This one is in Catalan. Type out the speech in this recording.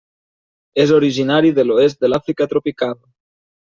És originari de l'oest de l'Àfrica tropical.